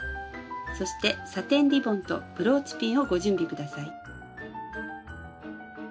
そしてサテンリボンとブローチピンをご準備下さい。